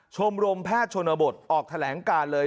ชมรมแพทย์ชนบทออกแถลงการเลย